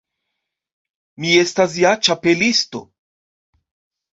Mi estas ja Ĉapelisto.